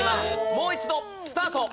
もう一度スタート。